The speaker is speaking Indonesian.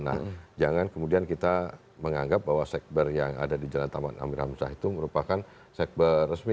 nah jangan kemudian kita menganggap bahwa sekber yang ada di jalan taman amir hamzah itu merupakan sekber resmi